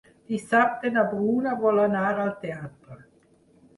Dissabte na Bruna vol anar al teatre.